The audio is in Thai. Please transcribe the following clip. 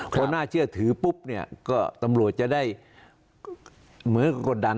พอน่าเชื่อถือปุ๊บเนี่ยก็ตำรวจจะได้เหมือนกับกดดัน